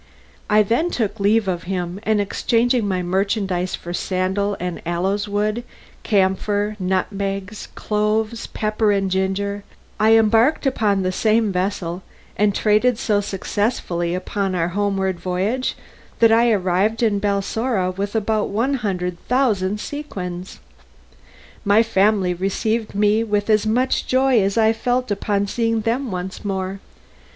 I then took leave of him, and exchanging my merchandise for sandal and aloes wood, camphor, nutmegs, cloves, pepper, and ginger, I embarked upon the same vessel and traded so successfully upon our homeward voyage that I arrived in Balsora with about one hundred thousand sequins. My family received me with as much joy as I felt upon seeing them once more.